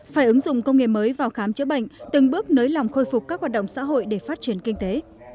phải ứng dụng công nghệ mới vào khám chữa bệnh từng bước nới lỏng khôi phục các hoạt động xã hội để phát triển kinh tế